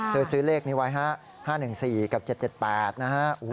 เธอซื้อเลขนี้ไว้ครับ๕๑๔กับ๗๗๘นะครับ